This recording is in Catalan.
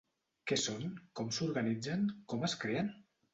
Què són, com s'organitzen, com es creen?